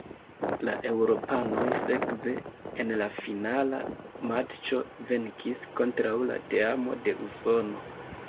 La eŭropanoj sekve en la finala matĉo venkis kontraŭ la teamo de Usono.